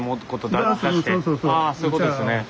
ああそういうことですね。